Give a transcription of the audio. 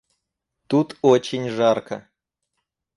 Тут очень жарко.